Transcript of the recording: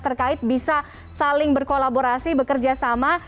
terkait bisa saling berkolaborasi bekerja sama